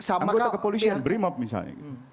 anggota kepolisian brimob misalnya